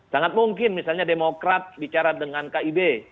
sangat mungkin misalnya demokrat bicara dengan kib